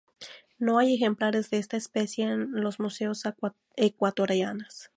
No hay ejemplares de esta especie en los museos ecuatorianos.